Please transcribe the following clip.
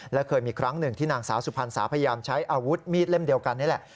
และเคยมีครั้งหนึ่งที่นางสาวสุพรรณสาพยายามใช้อาวุธมีดเล่มเดียวกันนี่แหละ